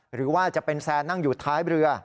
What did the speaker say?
หรือว่าจะเป็นแซนนั่งอยู่ท้ายเรือ